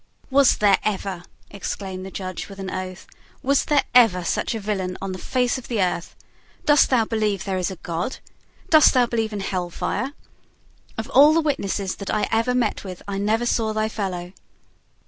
"Was there ever," exclaimed the judge, with an oath, "was there ever such a villain on the face of the earth? Dost thou believe that there is a God? Dost thou believe in hell fire. Of all the witnesses that I ever met with I never saw thy fellow."